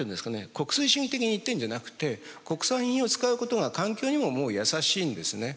国粋主義的に言ってるんじゃなくて国産品を使うことが環境にももうやさしいんですね。